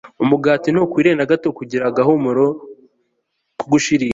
Umugati ntukwiriye na gato kugira agahumuro ko gushirira